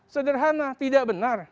sederhana tidak benar